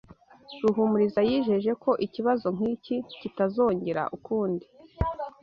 Ruhumuriza yijeje ko ikibazo nk'iki kitazongera ukundi.